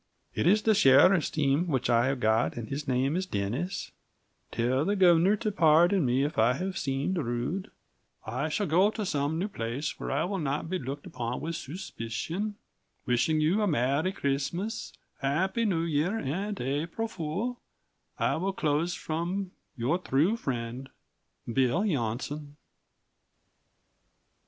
"It is the Sheariff's team wich i have got & his name is denis, tel the Governor to Parden me if i have seeamed Rude i shall go to some new Plais whare i will not be Looked upon with Suchpishion wishing you a mary Crissmus hapy new year and April Fool i will Close from your tru Frent "BILL JOHNSON."